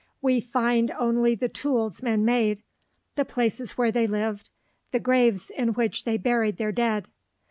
We find only the tools men made, the places where they lived, the graves in which they buried their dead.